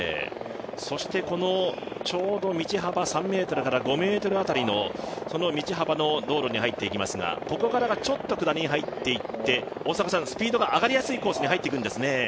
そしてこのちょうど３５ｍ辺りの道幅の道路に入っていきますが、ここからがちょっと下りに入っていってスピードが上がりやすいコースに入ってくるんですね。